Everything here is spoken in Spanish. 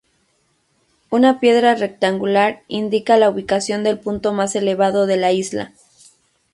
Una piedra rectangular indica la ubicación del punto más elevado de la isla.